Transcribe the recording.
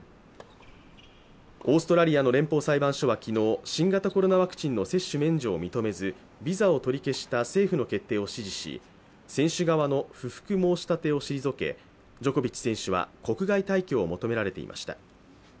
オーストラリアの連邦裁判所は昨日、新型コロナワクチンの接種免除を認めずビザを取り消した政府の決定を支持し選手側の不服申し立てを退けジョコビッチ選手は国外退去を求められていました。